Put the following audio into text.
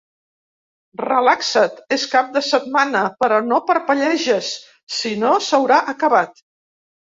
Relaxa't, és cap de setmana; però no parpelleges, si no, s'haurà acabat.